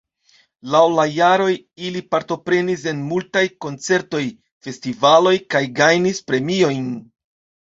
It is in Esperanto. Laŭ la jaroj ili partoprenis en multaj koncertoj, festivaloj kaj gajnis premiojn.